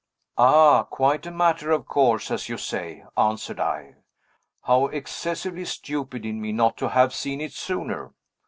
"Ah, quite a matter of course, as you say," answered I. "How excessively stupid in me not to have seen it sooner!